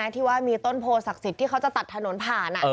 ที่ว่ามีต้นโพศักดิ์สิทธิ์ที่เขาจะตัดถนนผ่าน